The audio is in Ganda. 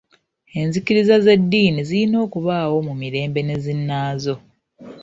Enzikiriza z'edddiini zirina okubaawo mu mirembe ne zinaazo.